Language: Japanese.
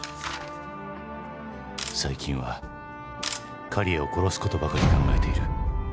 「最近は刈谷を殺すことばかり考えている」